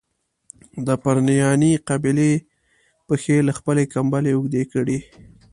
د پرنیاني قبیلې پښې له خپلي کمبلي اوږدې کړي.